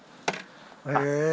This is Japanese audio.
へえ。